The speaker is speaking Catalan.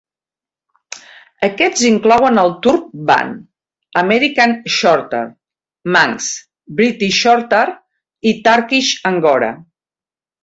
Aquests inclouen el turc Van, American Shorthair, Manx, British Shorthair i Turkish Angora.